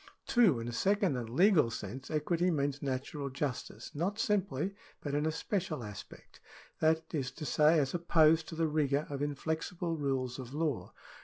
2. In a second and legal sense equity means natural justice, not simply, but in a special aspect ; that is to say, as opposed to the rigour of inflexible rules of law.